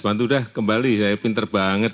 bantu udah kembali saya pinter banget